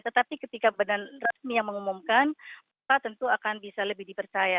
tetapi ketika badan resmi yang mengumumkan tentu akan bisa lebih dipercaya